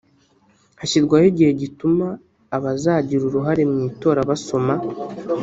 hashyirwaho igihe gituma abazagira uruhare mu itora basoma